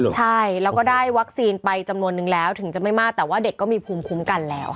ใช่แล้วก็ได้วัคซีนไปจำนวนนึงแล้วถึงจะไม่มากแต่ว่าเด็กก็มีภูมิคุ้มกันแล้วค่ะ